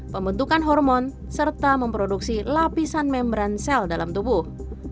pembentukan hormon serta memproduksi lapisan membran sel dalam tubuh